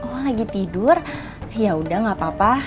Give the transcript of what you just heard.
oh lagi tidur yaudah nggak apa apa